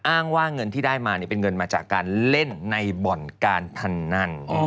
อ้างว่าเงินที่ได้มาเป็นเงินมาจากการเล่นในบ่อนการพนัน